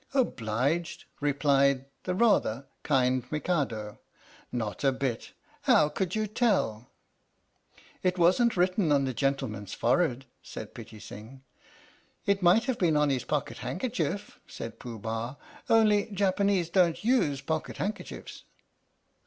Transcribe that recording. "Obliged?" replied the (rather) kind Mikado, " not a bit. How could you tell ?"" It wasn't written on the gentleman's forehead," said Pitti Sing. " It might have been on his pocket handkerchief," said Pooh Bah, "only Japanese don't use pocket handkerchiefs."